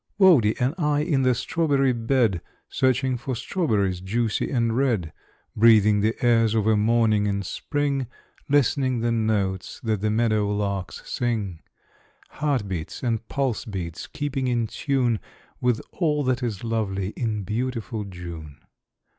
Wodie and I in the strawberry bed, Searching for strawberries juicy and red; Breathing the airs of a morning in spring, Listening the notes that the meadow larks sing; Heart beats and pulse beats keeping in tune With all that is lovely in beautiful June.